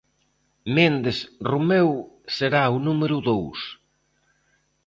Méndez Romeu será o número dous.